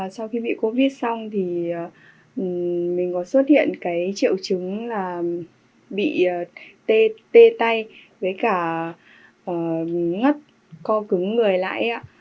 sau khi bị covid xong thì mình có xuất hiện cái triệu chứng là bị tê tay với cả ngất co cứng người lãi